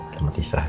selamat istirahat ya